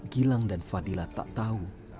gilang dan fadila tak tahu